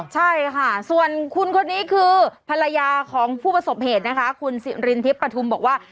ใช่ค่ะส่วนคุณคนนี้คือภรรยาของผู้ประสบเหตุนะคะคุณสิรินทิพย์ประทุมบอกว่า